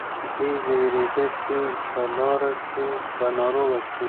دی وېرېده چې په لاره کې به ناروغه شي.